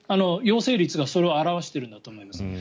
陽性率がそれを表しているんだと思います。